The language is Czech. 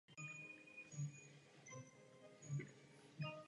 Po popravě jeho dětí mu byly odebrány všechny tituly a byl vyhnán ode dvora.